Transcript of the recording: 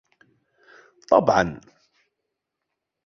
طبعا.